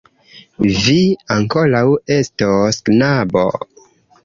Vi ankoraŭ estos, knabo!